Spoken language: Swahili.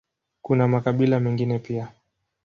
Kuna makabila mengine pia.